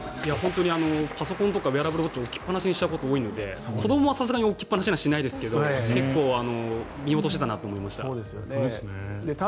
パソコンとかウェアラブルウォッチを置きっぱなしにしたことはあるので子どもはさすがに置きっぱなしにはしないですが結構見落としてたなと思いました。